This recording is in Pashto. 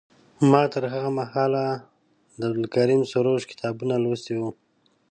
ما تر هغه مهاله د عبدالکریم سروش کتابونه لوستي وو.